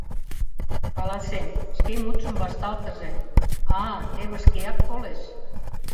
Каласем, шке мутшым вашталтыже, А-а, теве шкеак толеш.